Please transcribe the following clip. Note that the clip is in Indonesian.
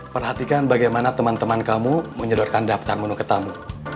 perhatikan bagaimana teman teman kamu menyedarkan daftar menu ketamu